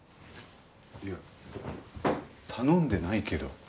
いや頼んでないけど。